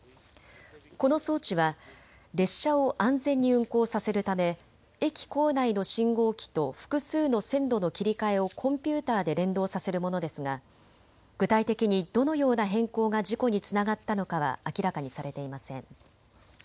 この装置は列車を安全に運行させるため駅構内の信号機と複数の線路の切り替えをコンピューターで連動させるものですが具体的にどのような変更が事故につながったのかは明らかにされていません。